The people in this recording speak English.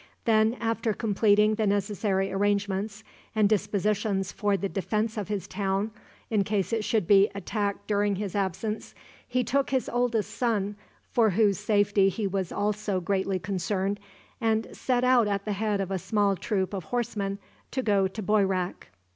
Then, after completing the necessary arrangements and dispositions for the defense of his town, in case it should be attacked during his absence, he took his oldest son, for whose safety he was also greatly concerned, and set out at the head of a small troop of horsemen to go to Boyrak.